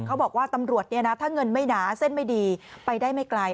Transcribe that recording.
เขาบอกว่าตำรวจเนี่ยนะถ้าเงินไม่หนาเส้นไม่ดีไปได้ไม่ไกล